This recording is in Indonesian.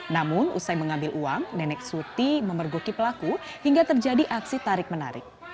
namun usai mengambil uang nenek suti memergoki pelaku hingga terjadi aksi tarik menarik